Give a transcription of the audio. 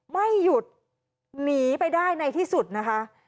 ไม่หยุดหนีไปได้ในที่สุดนะคะ